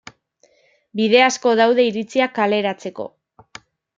Bide asko daude iritziak kaleratzeko.